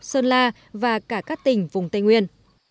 sơn la và cả các tỉnh vùng tây nguyên